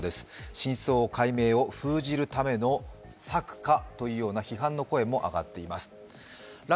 真相解明を封じるための策かという批判の声も上がっています。